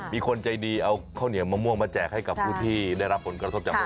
มีคนใจดีเอาข้าวเหนียวมะม่วงมาแจกให้กับผู้ที่ได้รับผลกระทบจาก